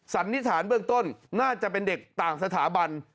สันนิษฐานเบื้องต้นน่าจะเป็นเด็กต่างสถาบัน